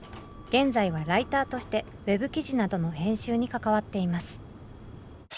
現在はライターとしてウェブ記事などの編集に関わっています。